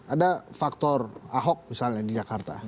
ada faktor ahok misalnya di jakarta